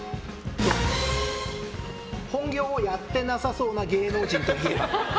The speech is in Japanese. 本業をやってなさそうな芸能人といえば？